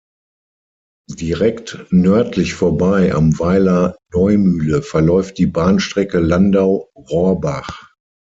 Direkt nördlich vorbei am Weiler Neumühle verläuft die Bahnstrecke Landau–Rohrbach.